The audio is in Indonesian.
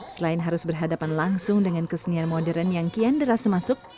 selain harus berhadapan langsung dengan kesenian modern yang kian deras masuk